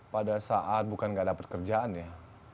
pada saat bukan nggak ada pekerjaan ya